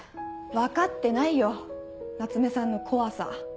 分かってないよ夏目さんの怖さ。